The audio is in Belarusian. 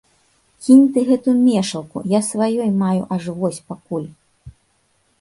Кінь ты гэту мешалку, я сваёй маю аж вось пакуль!